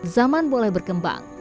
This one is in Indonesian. zaman boleh berkembang